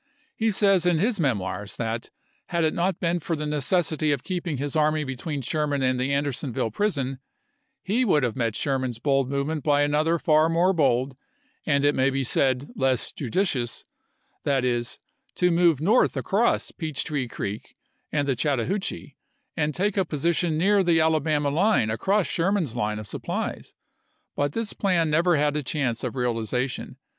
He says in his memoirs that, had it not been for the necessity of keeping his army between Sher man and the Andersonville prison, he would have met Sherman's bold movement by another far more bold — and it may be said, less judicious — that is, to move north across Peach Tree Creek and the Chattahoochee and take a position near the Ala bama line across Sherman's line of supplies ; but this plan never had a chance of realization.